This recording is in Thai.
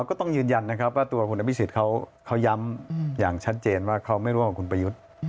ก็ต้องยืนยันนะครับว่าตัวคุณอภิษฎเขาย้ำอย่างชัดเจนว่าเขาไม่ร่วมกับคุณประยุทธ์